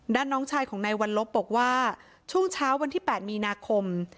น้องชายของนายวัลลบบอกว่าช่วงเช้าวันที่๘มีนาคม